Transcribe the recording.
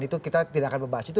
itu kita tidak akan membahas itu